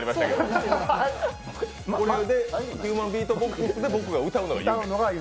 ヒューマンビートボックスで僕が歌うのが夢？